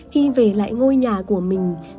khi về lại ngôi nhà của mình